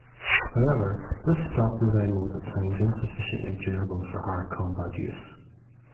However, this stock design was at times insufficiently durable for hard combat use.